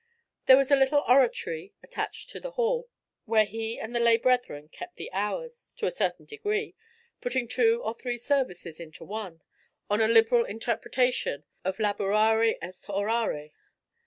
There was a little oratory attached to the hall, where he and the lay brethren kept the hours, to a certain degree, putting two or three services into one, on a liberal interpretation of laborare est orare.